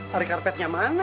hari karpetnya mana